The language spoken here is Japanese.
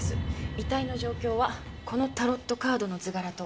遺体の状況はこのタロットカードの図柄と同じでした。